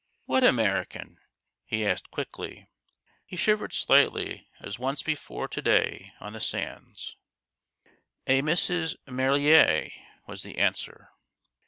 " What American ?" he asked quickly. He shivered slightly, as once before to day on the sands. " A Mrs. Marillier," was the answer.